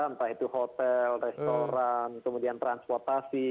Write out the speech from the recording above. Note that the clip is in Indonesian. entah itu hotel restoran kemudian transportasi